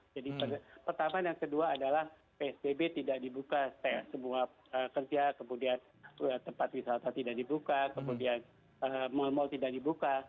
jadi pertama dan kedua adalah psbb tidak dibuka sebuah kerja kemudian tempat wisata tidak dibuka kemudian mall mall tidak dibuka